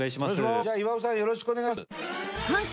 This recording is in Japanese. じゃあ岩尾さんよろしくお願いします。